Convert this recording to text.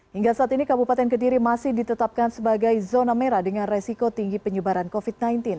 hingga saat ini kabupaten kediri masih ditetapkan sebagai zona merah dengan resiko tinggi penyebaran covid sembilan belas